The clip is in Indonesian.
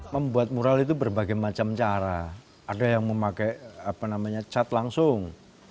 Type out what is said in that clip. membuat mural itu berbagai macam cara ada yang memakai cat langsung